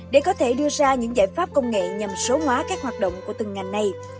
để có thể đưa ra những giải pháp công nghệ nhằm số hóa các hoạt động của từng ngành này